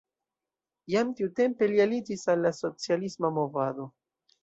Jam tiutempe li aliĝis al la socialisma movado.